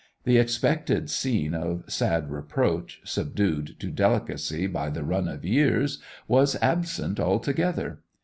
The expected scene of sad reproach, subdued to delicacy by the run of years, was absent altogether.